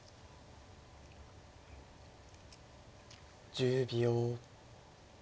１０秒。